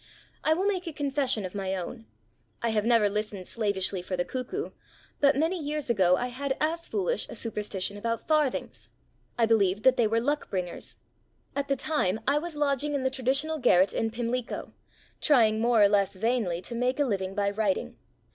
I will make a confession of my own. I have never listened slavishly for the cuckoo, but many years ago I had as foolish a superstition about farthings. I believed that they were luck bringers. At the time I was lodging in the traditional garret in Pimlico, trying more or less vainly to make a living by writing.